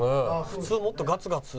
普通もっとガツガツ」